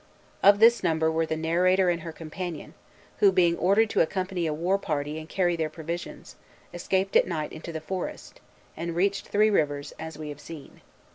Of this number were the narrator and her companion, who, being ordered to accompany a war party and carry their provisions, escaped at night into the forest, and reached Three Rivers, as we have seen.